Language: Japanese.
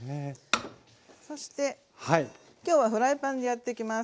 そして今日はフライパンでやってきます。